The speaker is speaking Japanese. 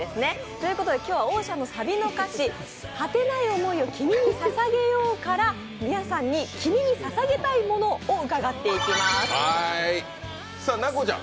ということで「ＯＣＥＡＮ」のサビの歌詞「果てない想いを君に捧げよう」から皆さんに君にささげたいものを伺っていきます。